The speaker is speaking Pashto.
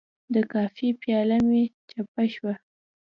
د کافي پیاله مې چپه شوه.